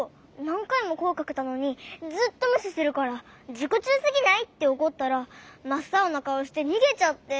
なんかいもこえかけたのにずっとむししてるから「じこちゅうすぎない！？」っておこったらまっさおなかおしてにげちゃって。